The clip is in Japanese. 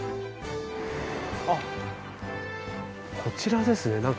あっこちらですね。